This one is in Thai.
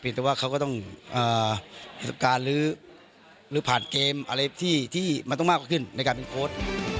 แต่ว่าเขาก็ต้องการหรือผ่านเกมอะไรที่มันต้องมากกว่าขึ้นในการเป็นโค้ด